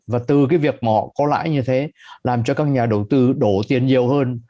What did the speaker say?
và từ cái việc mà họ có lãi như thế làm cho các nhà đầu tư đổ tiền nhiều hơn